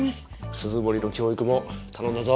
涼森の教育も頼んだぞ。